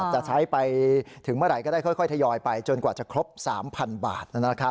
จะใช้ไปถึงเมื่อไหร่ก็ได้ค่อยทยอยไปจนกว่าจะครบ๓๐๐บาท